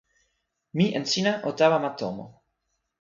mi en sina o tawa ma tomo.